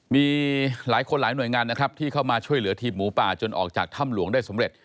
มีหลายคนหลายหน่วยงานนะครับที่เข้ามาช่วยเหลือทีมหมูป่าจนออกจากถ้ำหลวงได้สำเร็จ